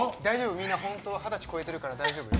みんな本当は二十歳超えてるから大丈夫よ。